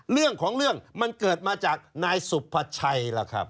เรื่องของเรื่องมันเกิดมาจากนายสุภาชัยล่ะครับ